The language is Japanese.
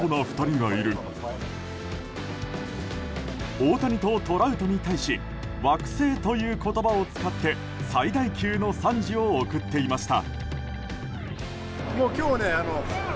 大谷とトラウトに対し惑星という言葉を使って最大級の賛辞を送っていました。